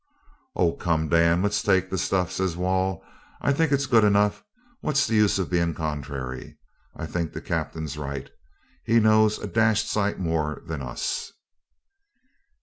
'Oh come, Dan, let's take the stuff,' says Wall. 'I think it's good enough. What's the use of being contrary? I think the Captain's right. He knows a dashed sight more than us.'